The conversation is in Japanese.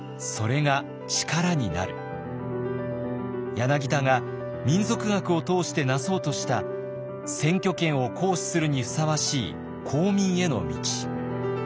柳田が民俗学を通して成そうとした選挙権を行使するにふさわしい公民への道。